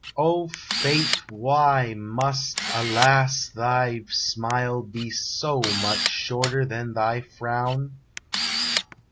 O Fate, why must, alas! Thy smile be so much shorter than thy frown?